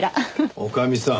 女将さん。